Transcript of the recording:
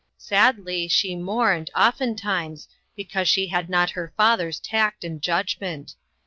Sadly, she mourned, oftentimes, because she had not her father's tact and judgment.